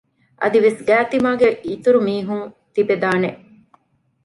އަދިވެސް ގާތްތިމާގެ އިތުރު މީހުން ތިބެދާނެ